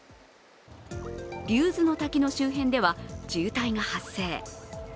竜頭ノ滝の周辺では渋滞が発生。